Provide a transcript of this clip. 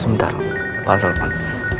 sebentar pak salman